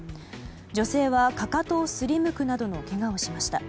女性はかかとを擦りむくなどのけがをしました。